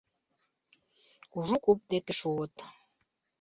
Кужу куп деке шуыт.